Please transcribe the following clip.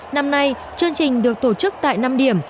năm nay chương trình được tổ chức tại năm điểm